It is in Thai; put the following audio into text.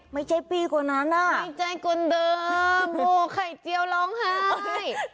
ไม่ใช่ปีกว่านั้นอ่ะดีใจคนเดิมโหไข่เจียวร้องไห้